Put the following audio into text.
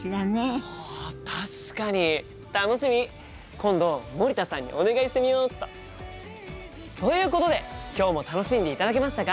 今度森田さんにお願いしてみよっと。ということで今日も楽しんでいただけましたか？